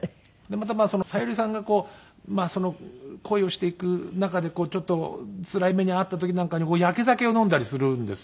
またまあ小百合さんがこう恋をしていく中でちょっとつらい目に遭った時なんかにやけ酒を飲んだりするんですね。